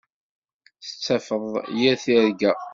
Tettafeḍ yir tirga?